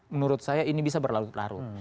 menurut saya ini bisa berlalu laru